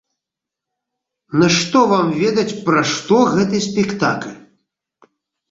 На што вам ведаць пра што гэты спектакль?